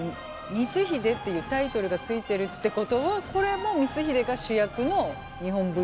「光秀」っていうタイトルが付いてるってことはこれも光秀が主役の日本舞踊なんじゃないんですか。